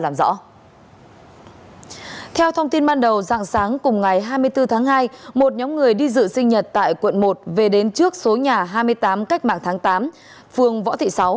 một nhóm người đi dự sinh nhật tại quận một về đến trước số nhà hai mươi tám cách mạng tháng tám phường võ thị sáu